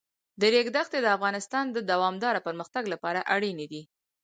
د ریګ دښتې د افغانستان د دوامداره پرمختګ لپاره اړین دي.